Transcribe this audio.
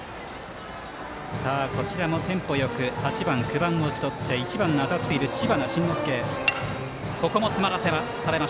こちらもテンポよく８番、９番を打ち取って１番、当たっている知花慎之助。